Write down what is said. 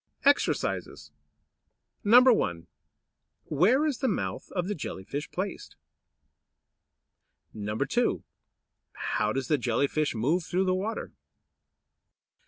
EXERCISES 1. Where is the mouth of the Jelly fish placed? 2. How does the Jelly fish move through the water?